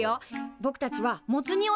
ぼくたちはモツ煮を出すの。